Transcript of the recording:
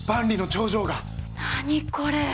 何これ。